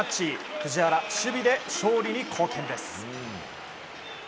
藤原、守備で勝利に貢献です。